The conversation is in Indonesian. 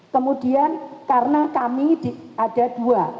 kemudian karena kami ada dua